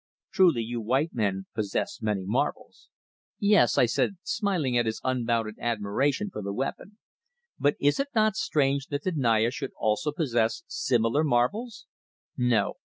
Truly you white men possess many marvels." "Yes," I said, smiling at his unbounded admiration for the weapon. "But is it not strange that the Naya should also possess similar marvels?" "No.